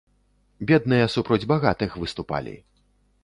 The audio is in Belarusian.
Бедныя супроць багатых выступалі.